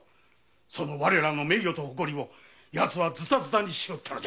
その名誉と誇りをヤツはズタズタにしおった。